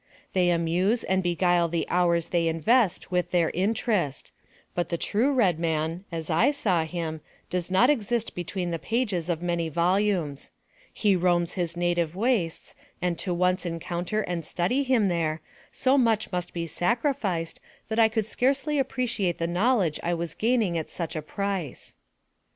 They amuse and beguile the hours they invest with 78 NARRATIVE OF CAPTIVITY their interest; but the true red man, as I saw him, does not exist between the pages of many volumes. He roams his native wastes, and to once encounter and study him there, so much must be sacrificed that I could scarcely appreciate the knowledge I was gaining at such a price.